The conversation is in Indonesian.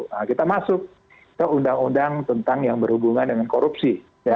nah kita masuk ke undang undang tentang yang berhubungan dengan korupsi